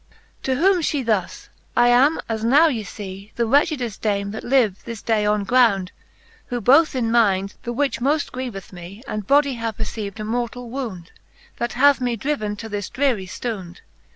XXVIII. To whom fhe thus ; I am, as now ye lee. The wretchedft Dame, that live this day on ground, Who both in minde, the which moft grieveth me. And body have receiv'd a mortall woimd, That hath me driven to this drery ftound.